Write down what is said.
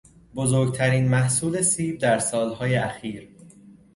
بزرگترین محصول سیب در سالهای اخیر